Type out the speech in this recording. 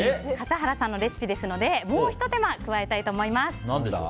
笠原さんのレシピですのでもうひと手間加えたいと思います。